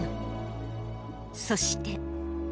そして。